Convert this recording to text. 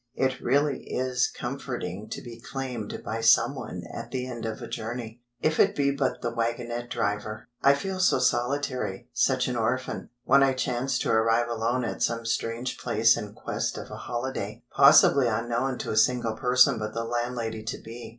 It really is comforting to be claimed by someone at the end of a journey, if it be but the wagonette driver. I feel so solitary, such an orphan, when I chance to arrive alone at some strange place in quest of a holiday, possibly unknown to a single person but the landlady to be.